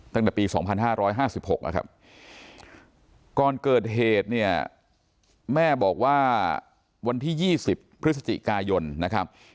ตั้งแต่ปี๒๕๕๖นะครับก่อนเกิดเหตุเนี่ยแม่บอกว่าวันที่๒๐พฤศจิกายนนะครับ